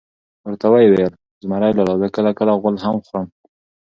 ورته وئې ویل: زمرى لالا زه کله کله غول هم خورم .